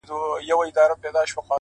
ما چي کوټې ته له آسمان څخه سپوږمۍ راوړې-